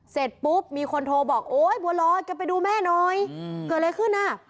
เสร็จปุ๊บมีคนโทรบอกโอ๊ยบัวลอยแกไปดูแม่หน่อยเกิดอะไรขึ้นอ่ะ